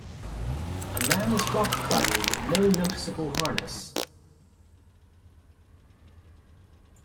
A man is rock climbing with no noticable harness.